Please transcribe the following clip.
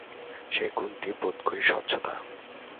সে গুণটি বোধ করি স্বচ্ছতা।